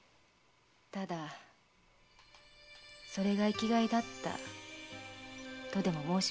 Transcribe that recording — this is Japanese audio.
ただそれが生きがいだったとでも申しましょうか。